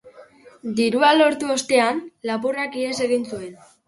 Dirua lortu ostean, lapurrak ihes egin zuen.